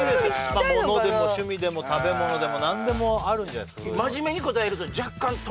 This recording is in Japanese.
まあ物でも趣味でも食べ物でも何でもあるんじゃないですか？